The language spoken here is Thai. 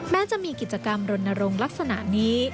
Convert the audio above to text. แม้จะมีกิจกรรมรณรงค์ลักษณะนี้